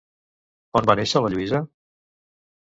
On va néixer la Lluïsa?